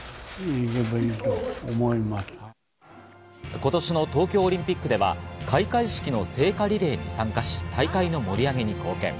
今年の東京オリンピックでは開会式の聖火リレーに参加し大会の盛り上げに貢献。